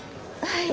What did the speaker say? はい。